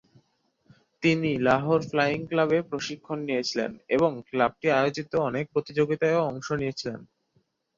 তিনি লাহোর ফ্লাইং ক্লাবে প্রশিক্ষণ নিয়েছিলেন এবং ক্লাবটি আয়োজিত অনেক প্রতিযোগিতায়ও অংশ নিয়েছিলেন।